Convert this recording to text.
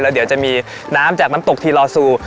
เดี๋ยวจะมีน้ำจากน้ำตกทีลอซู